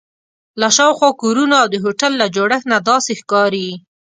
له شاوخوا کورونو او د هوټل له جوړښت نه داسې ښکاري.